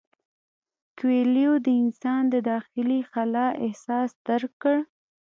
کویلیو د انسان د داخلي خلا احساس درک کړ.